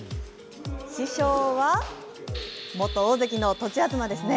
師匠は元大関の栃東ですね。